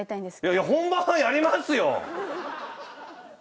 いやいや本番はやりますよ！